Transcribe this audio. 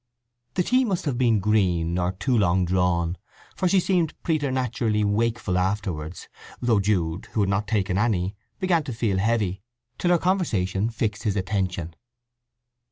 The tea must have been green, or too long drawn, for she seemed preternaturally wakeful afterwards, though Jude, who had not taken any, began to feel heavy; till her conversation fixed his attention.